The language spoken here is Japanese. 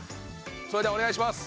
それではお願いします。